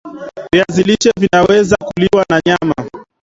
viazi lishe Vinaweza kuliwa na nyama